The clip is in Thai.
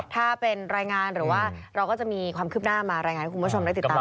ถ้าเป็นรายงานหรือว่าเราก็จะมีความคืบหน้ามารายงานให้คุณผู้ชมได้ติดตาม